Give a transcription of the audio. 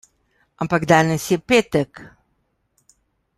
Ampak danes je petek.